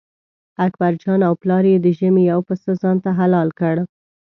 اکبرجان او پلار یې د ژمي یو پسه ځانته حلال کړ.